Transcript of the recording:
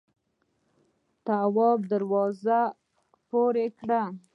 تواب دروازه پورې کړه.